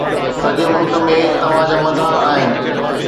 سڄي ملڪ ۾ توهان جا مداح آهن